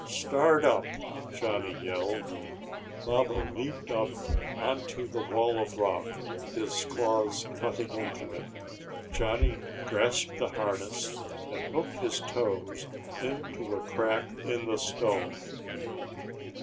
"Start up!" Johnny yelled. Baba leaped up onto the wall of rock, his claws cutting into it. Johnny grasped the harness and hooked his toes into a crack in the stone.